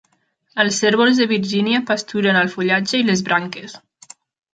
Els cérvols de Virgínia pasturen el fullatge i les branques.